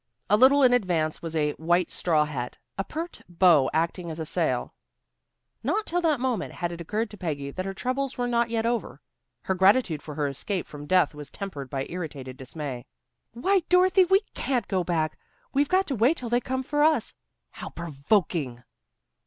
A little in advance was a white straw hat, a pert bow acting as a sail. Not till that moment had it occurred to Peggy that her troubles were not yet over. Her gratitude for her escape from death was tempered by irritated dismay. "Why, Dorothy, we can't go back! We've got to wait till they come for us. How provoking!"